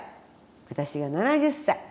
私が７０歳。